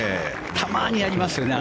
たまにやりますよね。